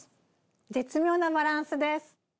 絶妙なバランスです。